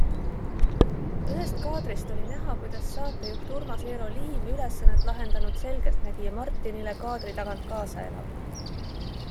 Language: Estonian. Ühest kaadrist oli näha, kuidas saatejuht Urmas Eero Liiv ülesannet lahendanud selgeltnägija Martinile kaadri tagant kaasa elab.